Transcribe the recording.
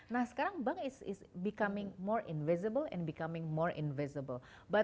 nah sekarang bank itu menjadi lebih terlihat dan menjadi lebih terlihat